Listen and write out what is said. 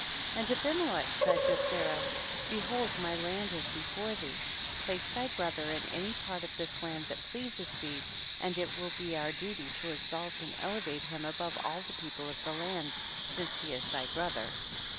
8. And Abimelech said to Sarah, behold my land is before thee, place thy brother in any part of this land that pleases thee, and it will be our duty to exalt and elevate him above all the people of the land since he is thy brother.